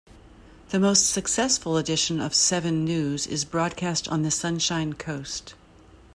The most successful edition of "Seven News" is broadcast on the Sunshine Coast.